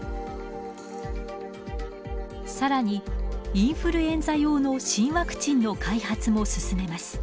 更にインフルエンザ用の新ワクチンの開発も進めます。